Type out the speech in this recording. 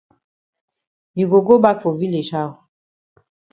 You go go bak for village how?